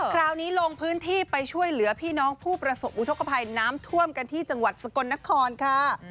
คราวนี้ลงพื้นที่ไปช่วยเหลือพี่น้องผู้ประสบอุทธกภัยน้ำท่วมกันที่จังหวัดสกลนครค่ะ